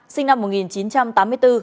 sinh năm một nghìn chín trăm tám mươi bốn